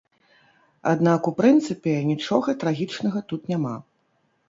Аднак у прынцыпе нічога трагічнага тут няма.